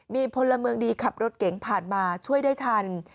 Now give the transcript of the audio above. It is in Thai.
มีพลเมืองดีขับรถเก๋งผ่านมาช่วยได้ทัน